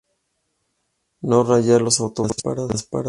No rayar los autobuses ni las paradas.